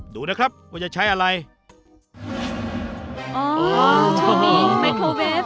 ดูนะครับว่าจะใช้อะไร